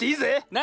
な！